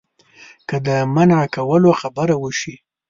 که د منع کولو خبره وشي.